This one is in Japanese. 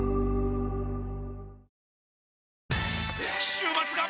週末が！！